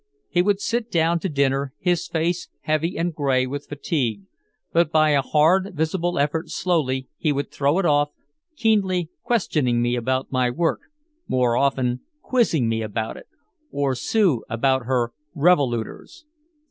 He would sit down to dinner, his face heavy and gray with fatigue, but by a hard visible effort slowly he would throw it off, keenly questioning me about my work, more often quizzing me about it, or Sue about her "revolooters."